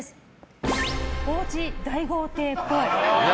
お家、大豪邸っぽい。